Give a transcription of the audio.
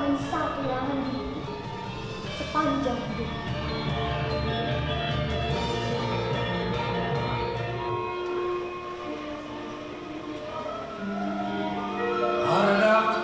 di masyarakat hubungan sudahizzard dengan sincerely merapal